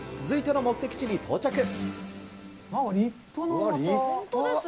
続いての目的地に到着。